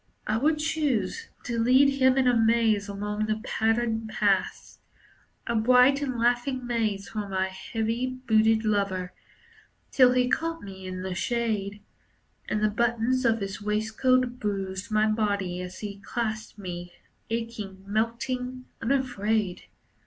I would choose To lead him in a maze along the patterned paths, A bright and laughing maze for my heavy booted lover, Till he caught me in the shade, And the buttons of his waistcoat bruised my body as he clasped me, Aching, melting, unafraid.